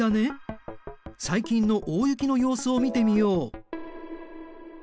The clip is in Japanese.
最近の大雪の様子を見てみよう。